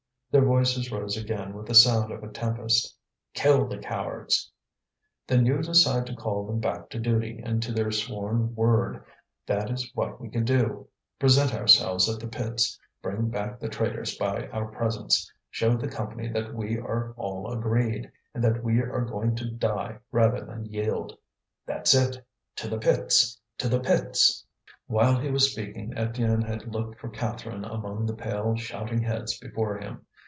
Their voices rose again with the sound of a tempest: "Kill the cowards!" "Then you decide to call them back to duty and to their sworn word. This is what we could do: present ourselves at the pits, bring back the traitors by our presence, show the Company that we are all agreed, and that we are going to die rather than yield." "That's it. To the pits! to the pits!" While he was speaking Étienne had looked for Catherine among the pale shouting heads before him.